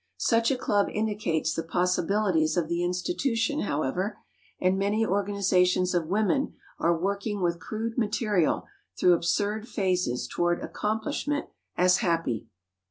Such a club indicates the possibilities of the institution, however; and many organizations of women are working with crude material through absurd phases toward accomplishment as happy.